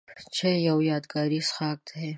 چای یو یادګاري څښاک دی.